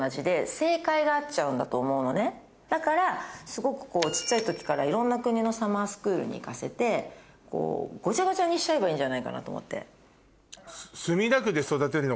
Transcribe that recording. んだと思うのねだからすごく小っちゃい時からいろんな国のサマースクールに行かせてごちゃごちゃにしちゃえばいいんじゃないかなと思って。